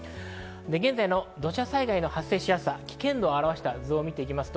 現在の土砂災害の発生しやすさ、危険度を表した図です。